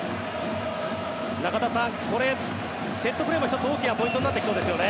中田さん、これセットプレーも１つ大きなポイントになってきそうですね。